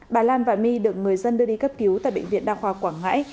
bà lan và my được người dân đưa đi cấp cứu tại bệnh viện đa khoa quảng ngãi